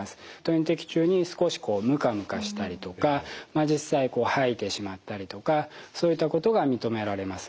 点滴中に少しムカムカしたりとか実際吐いてしまったりとかそういったことが認められます。